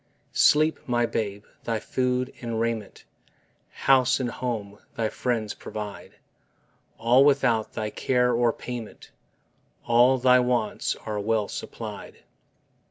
Sleep, my babe; thy food and raiment, House and home, thy friends provide; All without thy care or payment: All thy wants are well supplied.